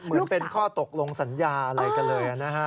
เหมือนเป็นข้อตกลงสัญญาอะไรกันเลยนะฮะ